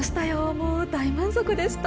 もう大満足でした。